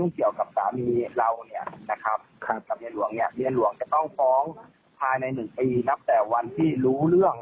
แต่อย่างไรก็ตามถ้าเป็นการกระทำความผิดต่อเนื่อง